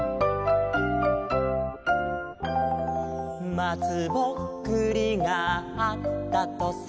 「まつぼっくりがあったとさ」